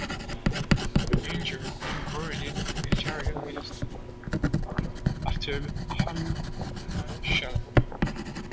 The injured included Interior Minister Aftab Ahmad Khan Sherpao.